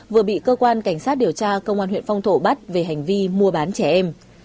vừa bị cơ quan cảnh sát điều tra công an huyện phong thổ bắt về hành vi mua bán trẻ em